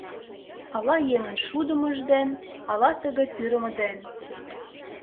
Ала еҥын шудымыж ден, ала тыге пӱрымӧ ден